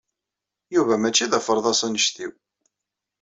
Yuba mačči d aferḍas anect-iw.